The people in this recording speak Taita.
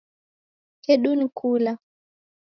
Kedu ni kula